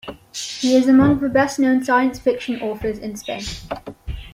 He is among the best-known science fiction authors in Spain.